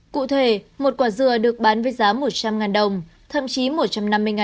cụ thể một quả dừa được bán với giá một trăm linh đồng thậm chí một trăm năm mươi đồng